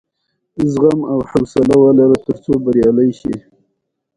لوگر د افغانستان د صادراتو برخه ده.